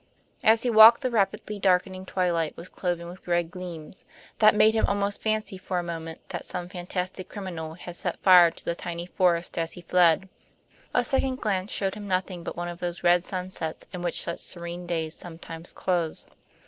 As he walked the rapidly darkening twilight was cloven with red gleams, that made him almost fancy for a moment that some fantastic criminal had set fire to the tiny forest as he fled. A second glance showed him nothing but one of those red sunsets in which such serene days sometimes close.